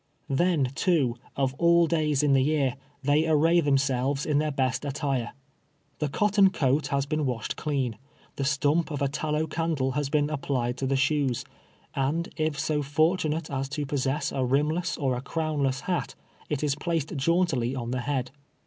Then, too, '' of all days i' the year," they array themselves in their best attire. The cotton coat has been washed clean, the stump of a tallow candle has been applied to the shoes, and if so f )rtunate as to pos sess a rimless or a crownless hat, it is placed jauntily on the head.